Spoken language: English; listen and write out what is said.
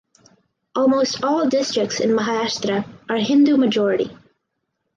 Almost all districts in Maharashtra are Hindu majority